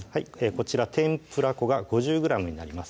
こちら天ぷら粉が５０ｇになります